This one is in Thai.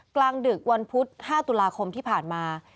กลางดึกวันพุธ๕ตุลาคมที่ผ่านมา